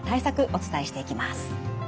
お伝えしていきます。